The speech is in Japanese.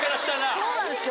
そうなんですよ。